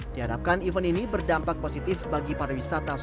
diharapkan event ini berdampak positif bagi para wisata